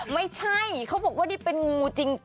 ไม่ใช่เขาบอกว่านี่เป็นงูจริง